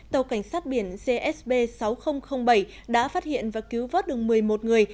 tàu cảnh sát biển csb sáu nghìn bảy đã phát hiện và cứu vớt được một mươi một người